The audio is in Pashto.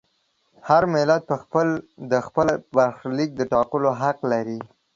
هر ملت په خپله د خپل برخلیک د ټاکلو حق لري.